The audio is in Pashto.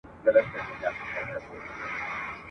خو د دې قوم د یو ځای کولو ..